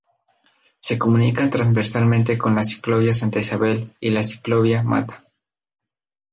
Se comunica transversalmente con la ciclovía Santa Isabel y la Ciclovía Matta.